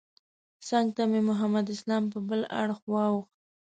څنګ ته مې محمد اسلام په بل اړخ واوښت.